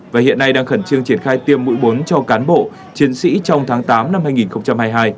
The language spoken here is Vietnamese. và hiện nay đang khẩn trương triển khai tiêm mũi bốn cho cán bộ chiến sĩ trong tháng tám năm hai nghìn hai mươi hai